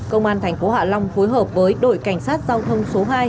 công an tp hạ long phối hợp với đội cảnh sát giao thông số hai